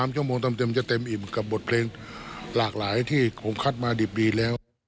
ชั่วโมงเต็มจะเต็มอิ่มกับบทเพลงหลากหลายที่ผมคัดมาดิบดีแล้ว